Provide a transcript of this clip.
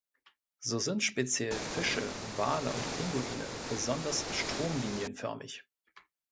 So sind speziell Fische, Wale und Pinguine besonders stromlinienförmig.